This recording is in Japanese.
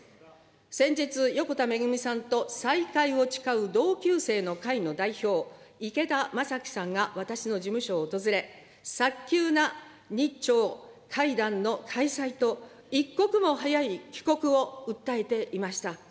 先日、横田めぐみさんと再会を誓う同級生の会の代表、池田正樹さんが私の事務所を訪れ、早急な日朝会談の開催と、一刻も早い帰国を訴えていました。